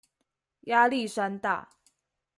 壓力山大